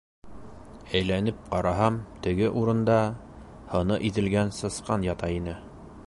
Әйләнеп ҡараһам, теге урында... һыны иҙелгән сысҡан ята ине.